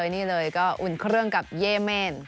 นี่เลยก็อุ่นเครื่องกับเย่เม่น